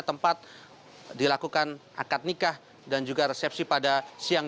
tempat dilakukan akad nikah dan juga resepsi pada siang